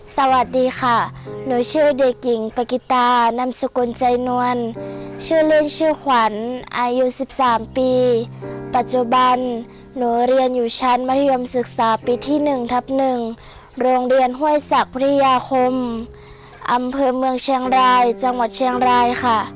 สวัสดีค่ะหนูชื่อเด็กหญิงปกิตานำสกุลใจนวลชื่อเล่นชื่อขวัญอายุ๑๓ปีปัจจุบันหนูเรียนอยู่ชั้นมัธยมศึกษาปีที่๑ทับ๑โรงเรียนห้วยศักดิยาคมอำเภอเมืองเชียงรายจังหวัดเชียงรายค่ะ